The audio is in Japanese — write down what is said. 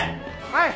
はい。